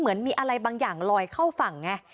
เหมือนมีอะไรบางอย่างลอยเข้าฝั่งไง